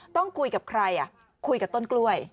ต้องคุยกับใครคุยกับต้นกล้วย